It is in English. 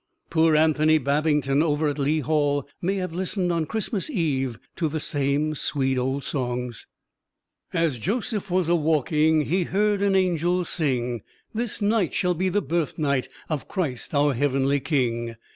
Poor Anthony Babington over at Lea Hall may have listened on Christmas Eve to the same sweet old songs. As Joseph was a walking, He heard an angel sing, "This night shall be the birthnight Of Christ our heavenly King.